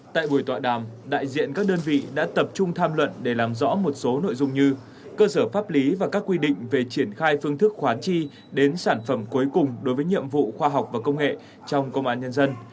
tại buổi tọa đàm đại diện các đơn vị đã tập trung tham luận để làm rõ một số nội dung như cơ sở pháp lý và các quy định về triển khai phương thức khoán chi đến sản phẩm cuối cùng đối với nhiệm vụ khoa học và công nghệ trong công an nhân dân